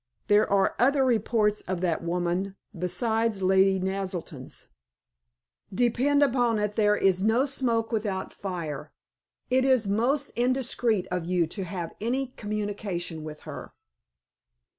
"There are other reports of that woman besides Lady Naselton's. Depend upon it there is no smoke without fire. It is most indiscreet of you to have had any communication with her."